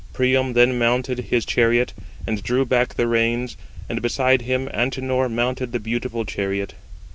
Priam then mounted his chariot, and drew back the reins: and beside him Antenor mounted the beautiful chariot.